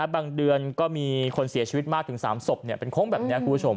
บางเดือนก็มีคนเสียชีวิตมากถึง๓ศพเป็นโค้งแบบนี้คุณผู้ชม